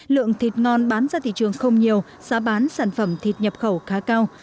lượng thịt ngon bán ra thị trường không nhiều giá bán sản phẩm thịt nhập khẩu khá cao